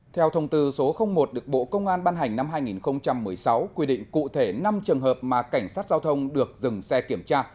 theo thông tư số một được bộ công an ban hành năm hai nghìn một mươi sáu quy định cụ thể năm trường hợp mà cảnh sát giao thông được dừng xe kiểm tra